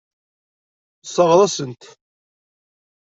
Tesseṛɣeḍ-asen-t.